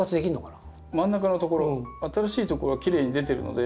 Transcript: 真ん中の所新しい所がきれいに出てるので。